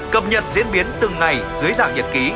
cập nhật diễn biến từng ngày dưới dạng nhật ký